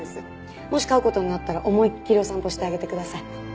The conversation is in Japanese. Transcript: もし飼う事になったら思いっきりお散歩してあげてください。